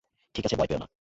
ঠিক আছে, ভয় পেয়ো না।